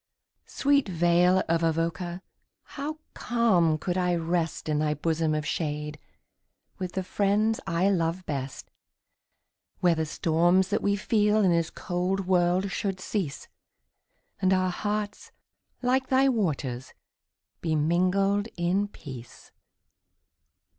Sweet vale of Avoca! how calm could I rest In thy bosom of shade, with the friends I love best. Where the storms that we feel in this cold world should cease, And our hearts, like thy waters, be mingled in peace.